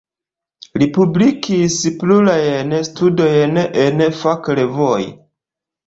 Li publikis plurajn studojn en fakrevuoj.